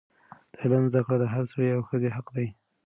د علم زده کړه د هر سړي او ښځې حق دی.